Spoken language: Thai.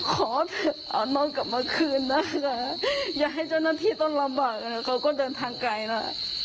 ขอนอนกลับมาคืนนะอย่าให้เจ้าหน้าที่ต้องลำบากนะเขาก็เดินทางไกลนะ